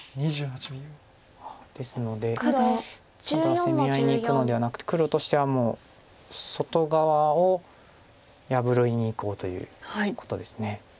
ですのでただ攻め合いにいくのではなくて黒としてはもう外側を破りにいこうということです。